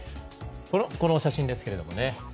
この写真ですけどもね。